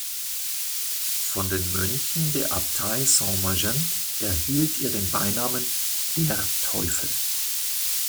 Von den Mönchen der Abtei Saint-Maixent erhielt er den Beinamen „"der Teufel"“.